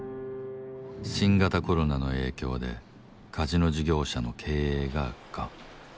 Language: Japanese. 新型コロナの影響でカジノ事業者の経営が悪化